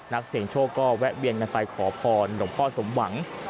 นักเสียงโชคก็แวะเวียนกันไปขอพรหลวงพ่อสมหวัง